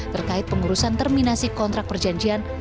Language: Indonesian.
terkait pengurusan terminasi kontrak perjanjian